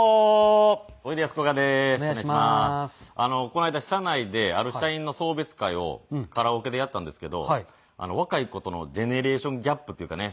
この間社内である社員の送別会をカラオケでやったんですけど若い子とのジェネレーションギャップっていうかね